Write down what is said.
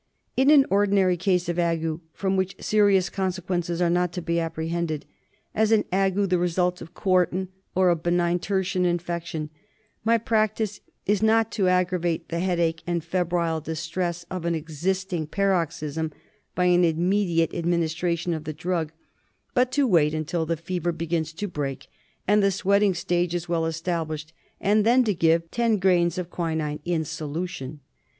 In an ordinary case of ague from which serious con sequences are not to be apprehended — as an ague the result of quartan or of benign tertian infection — my practice is not to aggravate the headache and febrile distress of an existing paroxysm by an immediate admin istration of the drug, but to wait until the fever begins to break and the sweating stage is well established, and then to give ten grains of quinine in solution.